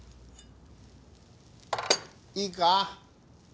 いいか？